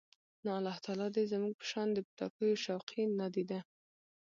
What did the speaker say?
نو الله تعالی دې زموږ په شان د پټاکیو شوقي، نادیده